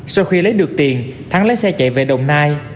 sau khi lấy được tiền thắng lấy xe chạy về đồng nai